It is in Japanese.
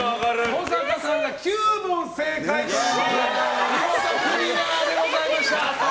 登坂さんが９問正解して見事クリアでございました。